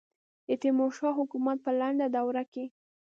د تیمور شاه حکومت په لنډه دوره کې.